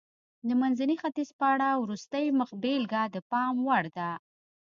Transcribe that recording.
د منځني ختیځ په اړه وروستۍ مخبېلګه د پام وړ ده.